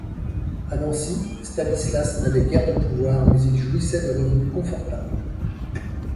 À Nancy, Stanislas n'avait guère de pouvoir, mais il jouissait de revenus confortables.